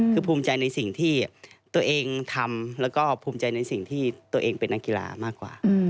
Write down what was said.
คือภูมิใจในสิ่งที่ตัวเองทำแล้วก็ภูมิใจในสิ่งที่ตัวเองเป็นนักกีฬามากกว่า